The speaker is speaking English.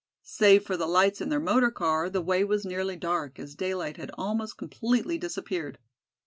Save for the lights in their motor car the way was nearly dark, as daylight had almost completely disappeared.